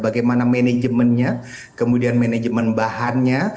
bagaimana manajemennya kemudian manajemen bahannya